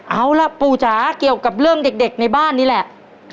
เอาล่ะปู่จ๋าเกี่ยวกับเรื่องเด็กในบ้านนี่แหละ